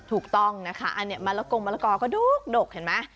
ถูกต้องนะคะอันนี้มะละกงมะละกอก็ดกเห็นไหม